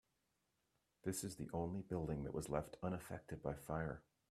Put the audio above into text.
This is the only building that was left unaffected by fire.